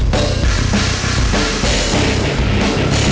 jangan banget gerak